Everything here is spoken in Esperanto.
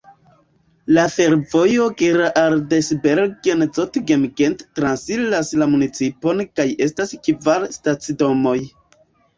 La fervojo Geraardsbergen-Zottegem-Gent transiras la municipon kaj estas kvar stacidomoj.